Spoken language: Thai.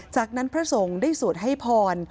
จากนั้นพระสงฆ์ได้สวดให้พร